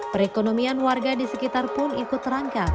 perekonomian warga di sekitar pun ikut terangkat